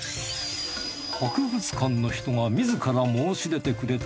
博物館の人が自ら申し出てくれた